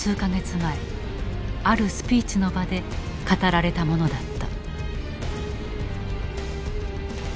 前あるスピーチの場で語られたものだった。